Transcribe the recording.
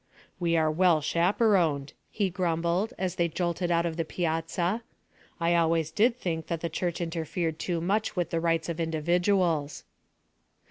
'We are well chaperoned,' he grumbled, as they jolted out of the piazza. 'I always did think that the Church interfered too much with the rights of individuals.'